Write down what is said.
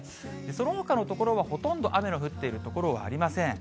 そのほかの所はほとんど雨の降っている所はありません。